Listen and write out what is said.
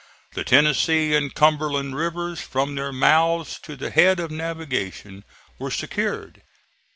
The Tennessee and Cumberland rivers, from their mouths to the head of navigation, were secured.